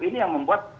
ini yang membuat